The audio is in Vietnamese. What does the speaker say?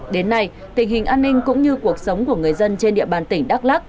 đến nay tình hình an ninh cũng như cuộc sống của người dân trên địa bàn tỉnh đắk lắc